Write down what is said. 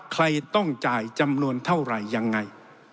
ใครต้องจ่ายจำนวนเท่าไหร่ยังไง